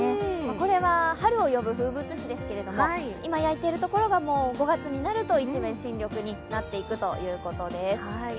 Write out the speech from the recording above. これは春を呼ぶ風物詩ですけれども、今焼いているところが５月になると一面新緑になっていくということです。